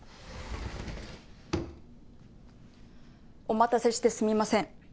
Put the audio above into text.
お待たせしてすみません。